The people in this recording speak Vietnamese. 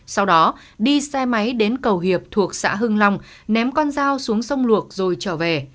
sau đó đi xe máy đến cầu hiệp thuộc xã hưng long ném con dao xuống sông luộc rồi trở về